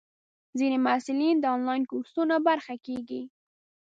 ځینې محصلین د انلاین کورسونو برخه کېږي.